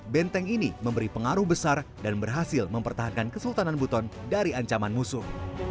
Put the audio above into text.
benteng ini memberi pengaruh besar dan berhasil mempertahankan kesultanan buton dari ancaman musuh